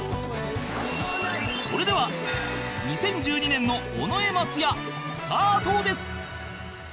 それでは２０１２年の尾上松也スタートです